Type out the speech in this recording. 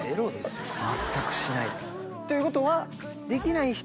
全くしないです。ということは。